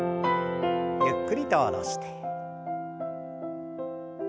ゆっくりと下ろして。